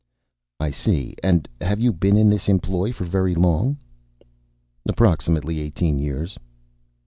"I see. And have you been in this employ for very long?" "Approximately eighteen years."